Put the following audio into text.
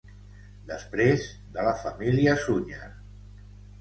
Després, de la família Sunyer.